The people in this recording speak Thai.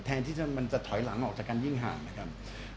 ที่มันจะถอยหลังออกจากกันยิ่งห่างนะครับ